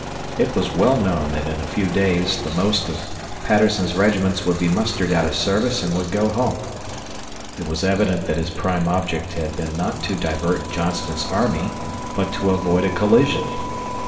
It was well known that in a few days the most of Patterson's regiments would be mustered out of service and would go home. It was evident that his prime object had been not to divert Johnston's army but to avoid a collision.